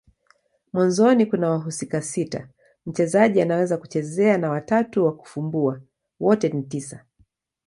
Mwanzoni kuna wahusika sita mchezaji anaweza kuchezea na watatu wa kufumbua. Wote ni tisa.